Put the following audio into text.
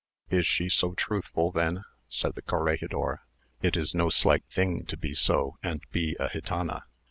"Is she so truthful then?" said the corregidor. "It is no slight thing to be so and be a gitana.